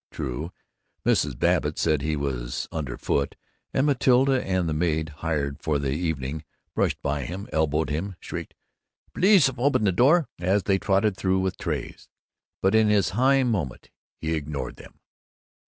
True, Mrs. Babbitt said he was under foot, and Matilda and the maid hired for the evening brushed by him, elbowed him, shrieked "Pleasopn door," as they tottered through with trays, but in this high moment he ignored them.